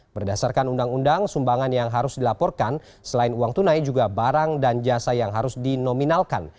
berdasarkan undang undang sumbangan yang harus dilaporkan selain uang tunai juga barang dan jasa yang harus dinominalkan